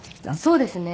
そうですね。